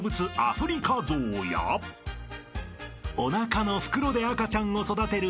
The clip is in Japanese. ［おなかの袋で赤ちゃんを育てる］